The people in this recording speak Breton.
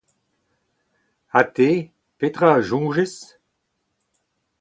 Ha te, petra a soñjez ?